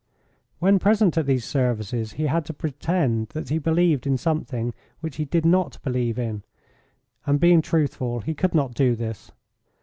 When present at these services he had to pretend that he believed in something which he did not believe in, and being truthful he could not do this.